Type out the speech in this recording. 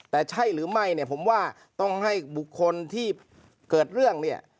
แต่ใช่หรือไม่เนี่ยผมว่าต้องให้บุคคลที่เกิดเรื่องเนี่ย